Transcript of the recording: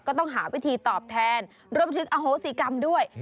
ก็ต้องหาวิธีตอบแทนรวมถึงอโหสิกรรมด้วย